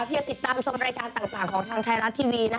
ยังติดตามชมรายการต่างของทางไทยรัฐทีวี